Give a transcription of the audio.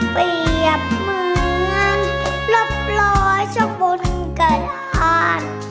เปรียบเหมือนรบร้อยช่องบุญกระทาน